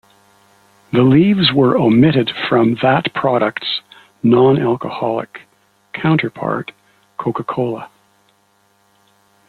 The leaves were omitted from that product's non-alcoholic counterpart, Coca-Cola.